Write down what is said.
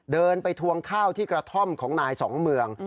เดินไปทวงข้าวที่กระท่อมของนายสองเมือง